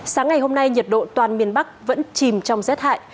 sáng ngày hôm nay nhiệt độ toàn miền bắc vẫn chìm trong rét hại